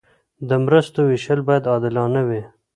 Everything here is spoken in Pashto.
د مرستو ویشل باید عادلانه وي.